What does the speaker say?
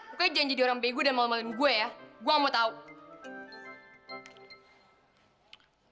pokoknya jangan jadi orang bego dan malu maluin gue ya gue nggak mau tahu